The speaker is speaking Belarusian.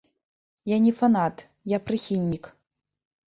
Я не фанат, я прыхільнік.